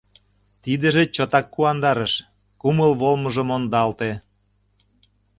Тидыже чотак куандарыш, кумыл волымыжо мондалте.